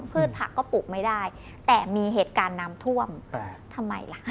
พืชผักก็ปลูกไม่ได้แต่มีเหตุการณ์น้ำท่วมทำไมล่ะ